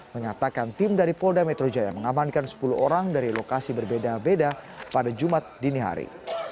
mengatakan tim dari polda metro jaya mengamankan sepuluh orang dari lokasi berbeda beda pada jumat dini hari